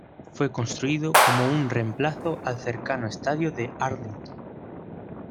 Fue construido como un reemplazo al cercano Estadio de Arlington.